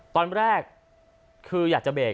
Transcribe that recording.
ตอนแรกคิดจะเบโกรธ